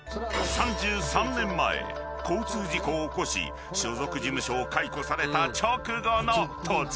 ［３３年前交通事故を起こし所属事務所を解雇された直後の突撃取材］